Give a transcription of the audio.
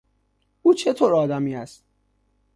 او چه طور آدمی است؟